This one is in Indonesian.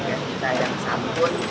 dan kita yang sabun